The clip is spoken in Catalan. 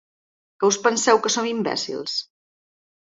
Què us penseu, que som imbècils?